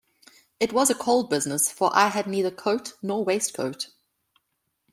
It was a cold business, for I had neither coat nor waistcoat.